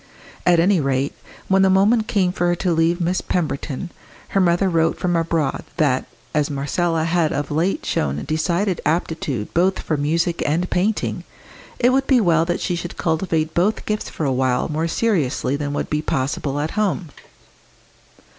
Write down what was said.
At any rate, when the moment came for her to leave Miss Pemberton, her mother wrote from abroad that, as Marcella had of late shown decided aptitude both for music and painting, it would be well that she should cultivate both gifts for a while more seriously than would be possible at home.